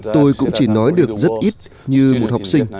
tôi cũng chỉ nói được rất ít như một học sinh